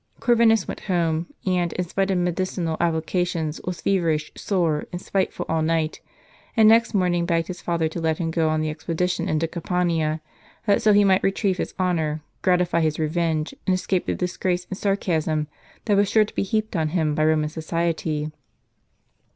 Corvinus went home ; and, in spite of medicinal applica tions, was feverish, sore, and spiteful all night; and next morning begged his father to let him go on the expedition into Campania, that so he might retrieve his honor, gratify his revenge, and escape the disgrace and sarcasm that was sure to be heaped on him by Roman society.